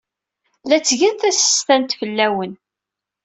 La ttgen tasestant fell-awen.